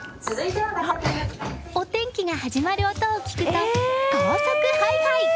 お天気が始まる音を聞くと高速ハイハイ！